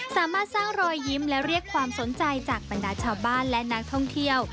สามารถสร้างรอยยิ้มและเรียกความสนใจจากบรรดาชาวบ้านและนักท่องเที่ยว